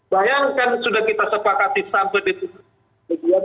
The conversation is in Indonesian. bayangkan sudah kita sepakati sampai detik